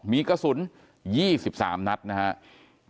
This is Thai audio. มีกระสุน๒๓นัดนะครับ